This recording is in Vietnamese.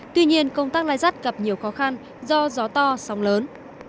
tuy nhiên công tác lai dắt gặp nhiều khó khăn do gió to sóng lớn